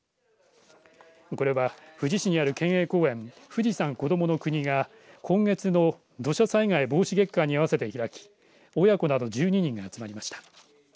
これは富士市にある県営公園、富士山こどもの国が今月の土砂災害防止月間にあわせて開き親子など１２人が集まりました。